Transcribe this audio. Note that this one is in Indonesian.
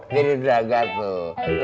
jadi draga tuh